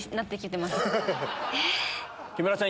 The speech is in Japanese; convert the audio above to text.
木村さん